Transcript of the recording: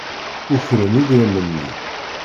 Ukren idrimen-nni.